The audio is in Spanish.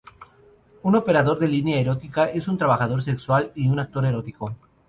Un operador de línea erótica es un trabajador sexual y un actor erótico.